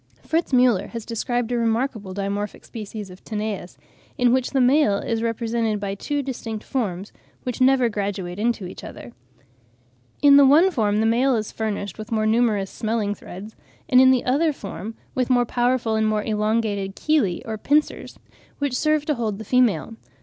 Fritz Müller has described a remarkable dimorphic species of Tanais, in which the male is represented by two distinct forms, which never graduate into each other. In the one form the male is furnished with more numerous smelling threads, and in the other form with more powerful and more elongated chelae or pincers, which serve to hold the female.